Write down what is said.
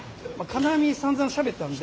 金網さんざんしゃべったんで。